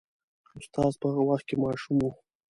استاد په هغه وخت کې ماشوم و.